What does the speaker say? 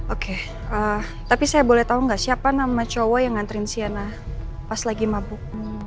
oke tapi saya boleh tahu nggak siapa nama cowok yang nganterin siana pas lagi mabuk